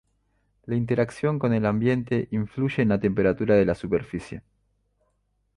La interacción con el ambiente influye en la temperatura de la superficie.